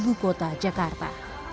ibu kota jakarta